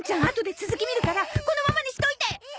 あとで続き見るからこのままにしといて！